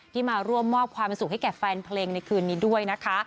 มาร่วมมอบความสุขให้แก่แฟนเพลงในคืนนี้ด้วยนะคะ